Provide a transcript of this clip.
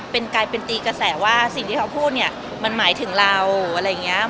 สิ่งที่เขาพูดเนี่ยมันหมายถึงเราอะไรอย่างเงี้ย